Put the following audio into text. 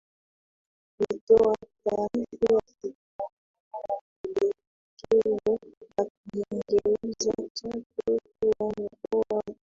lilitoa taarifa ya kukubaliana na pendekezo la kuigeuza Chato kuwa mkoa kamili